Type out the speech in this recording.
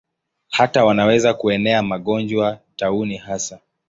Hata wanaweza kuenea magonjwa, tauni hasa.